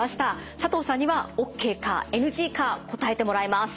佐藤さんにはＯＫかＮＧか答えてもらいます。